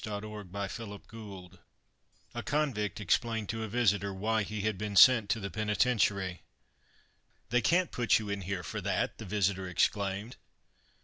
Robert Burns UNDISMAYED A convict explained to a visitor why he had been sent to the penitentiary. "They can't put you in here for that!" the visitor exclaimed.